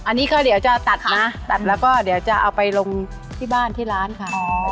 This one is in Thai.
อันนี้ก็เดี๋ยวจะตัดนะตัดแล้วก็เดี๋ยวจะเอาไปลงที่บ้านที่ร้านค่ะ